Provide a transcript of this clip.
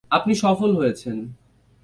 আপনি সফল হয়েছেন।